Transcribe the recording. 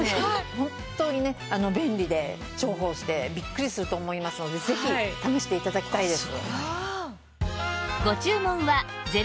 本当にね便利で重宝してビックリすると思いますのでぜひ試して頂きたいです。